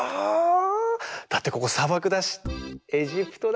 だってここさばくだしエジプトだし。